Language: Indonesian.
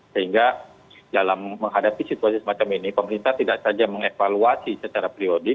sehingga dalam menghadapi situasi semacam ini pemerintah tidak saja mengevaluasi secara periodik